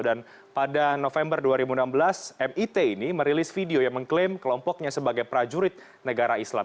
dan pada november dua ribu enam belas mit ini merilis video yang mengklaim kelompoknya sebagai prajurit negara islam